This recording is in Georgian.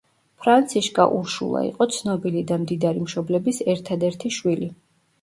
ფრანციშკა ურშულა იყო ცნობილი და მდიდარი მშობლების ერთადერთი შვილი.